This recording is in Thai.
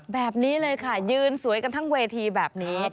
แบบนี้เลยค่ะยืนสวยกันทั้งเวทีแบบนี้